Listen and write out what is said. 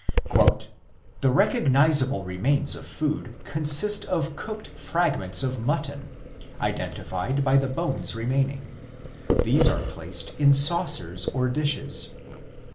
" The recogniz able remains of food consist of cooked fragments of mutton, identified by the bones remaining. These are placed in saucers or dishes.